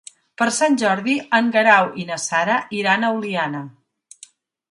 Per Sant Jordi en Guerau i na Sara iran a Oliana.